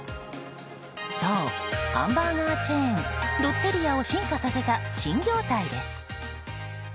そう、ハンバーガーチェーンロッテリアを進化させた新業態です。